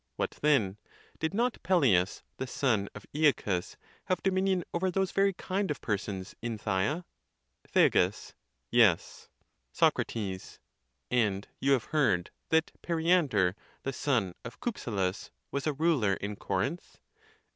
What then, did not Peleus, the son of AXacus, have do minion over those very kind of persons in Phthia ? Thea. Yes. Soe. And you have heard that Periander, the son of Cyp selus, was a ruler in Corinth.